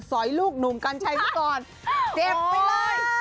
อยลูกหนุ่มกัญชัยไว้ก่อนเจ็บไปเลย